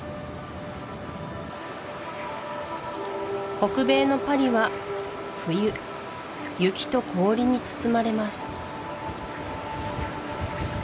北米のパリは冬雪と氷に包まれます